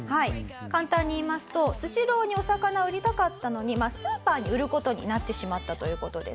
簡単に言いますとスシローにお魚を売りたかったのにスーパーに売る事になってしまったという事ですね。